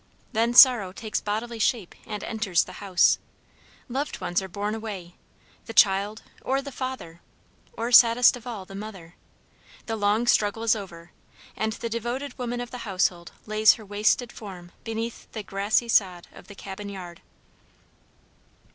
Then sorrow takes bodily shape and enters the house; loved ones are borne away the child, or the father, or saddest of all, the mother; the long struggle is over, and the devoted woman of the household lays her wasted form beneath the grassy sod of the cabin yard.